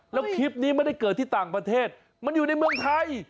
แล้วคลิปนี้ไม่ได้เกิดที่ต่างประเทศมันอยู่ในเมืองไทย